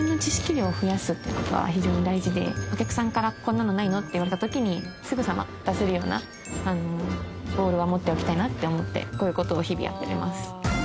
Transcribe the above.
お客さんから「こんなのないの？」って言われた時にすぐさま出せるようなボールは持っておきたいなって思ってこういう事を日々やっております。